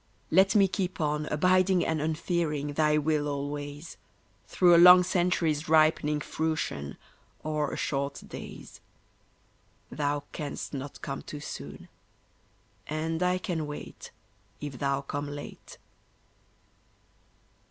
Let me keep on, abiding and unfearing Thy will always, Through a long century's ripening fruition, Or a short day's. Thou canst not come too soon; and I can wait If thou come late.